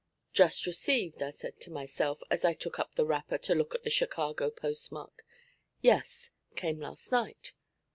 'Just received,' I said to myself, as I took up the wrapper to look at the Chicago postmark. 'Yes, came last night.